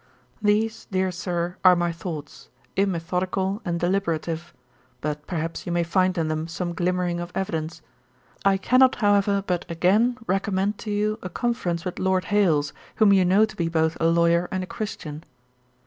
'These, dear Sir, are my thoughts, immethodical and deliberative; but, perhaps, you may find in them some glimmering of evidence. 'I cannot, however, but again recommend to you a conference with Lord Hailes, whom you know to be both a Lawyer and a Christian.